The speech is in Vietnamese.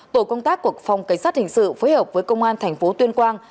tổ công tác của phòng cảnh sát hình sự phối hợp với công an thành phố tuyên quang